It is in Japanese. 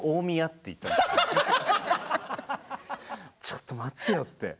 ちょっと待ってよって。